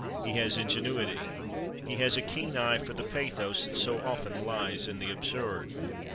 He has ingenuity. He has a keen eye for the pathos that so often lies in the absurd.